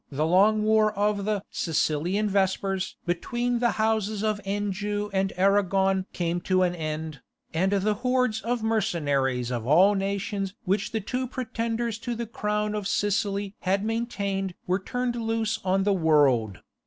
_) In 1302 the long war of the "Sicilian Vespers" between the houses of Anjou and Aragon came to an end, and the hordes of mercenaries of all nations which the two pretenders to the crown of Sicily had maintained were turned loose on the world.